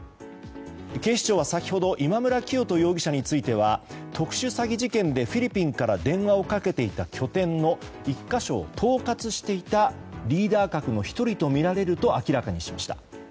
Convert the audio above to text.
警視庁は先ほど今村磨人容疑者については特殊詐欺事件でフィリピンから電話をかけていた拠点の１か所を統括していたリーダー格の１人とみられると明らかにしました。